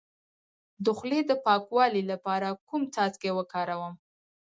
د خولې د پاکوالي لپاره کوم څاڅکي وکاروم؟